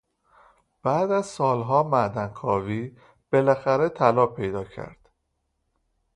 بعد از سالها معدنکاوی، بالاخره طلا پیدا کرد.